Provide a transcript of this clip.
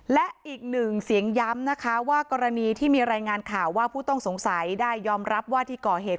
และอีกหนึ่งเสียงย้ำนะคะว่ากรณีที่มีรายงานข่าวว่าผู้ต้องสงสัยได้ยอมรับว่าที่ก่อเหตุ